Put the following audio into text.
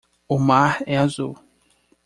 O mar é azul.